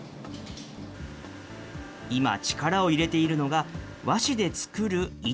今、力を入れているのが和紙で作る糸。